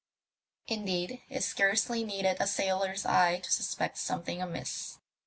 Indeed, it scarcely needed a sailor's eye to suspect something amiss.